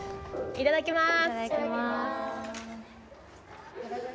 いただきます。